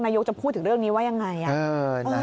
นายกจะพูดถึงเรื่องนี้ว่ายังไง